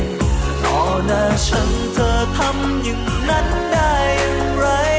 ต่อหน้าฉันเธอทำอย่างนั้นได้ยังไง